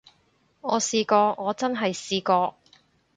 我試過，我真係試過